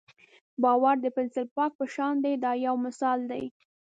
باور د پنسل پاک په شان دی دا یو مثال دی.